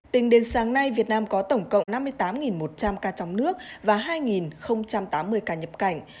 tính đến sáng nay việt nam có tổng cộng năm mươi tám một trăm linh ca trong nước và hai tám mươi ca nhập cảnh